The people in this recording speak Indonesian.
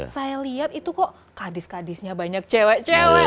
saya lihat itu kok kadis kadisnya banyak cewek cewek